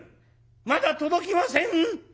まだ届きません？